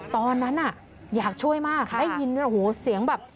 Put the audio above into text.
ตอนนั้นอยากช่วยมากได้ยินเสียงแบบ